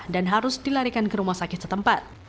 dan harus dilarikan ke rumah sakit setempat